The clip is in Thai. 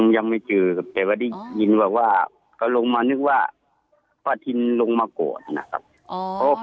ยังไม่เจอแต่ว่าได้ยินว่าว่าเขาลงมานึกว่าประทินลงมาก่อนนะครับ